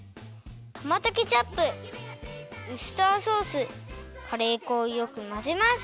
トマトケチャップウスターソースカレー粉をよくまぜます。